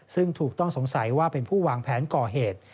ซึ่งถูกต้องสงสัยว่าเป็นผู้วางแผนก่อเหตุ